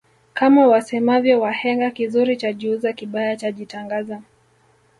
Kama wasemavyo wahenga kizuri chajiuza kibaya chajitangaza